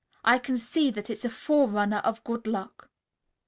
I can see that it's a fore runner of good luck."